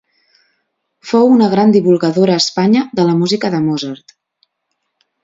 Fou una gran divulgadora a Espanya de la música de Mozart.